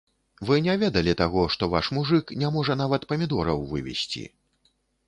Вы не ведалі таго, што ваш мужык не можа нават памідораў вывесці.